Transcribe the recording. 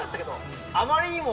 あまりにも。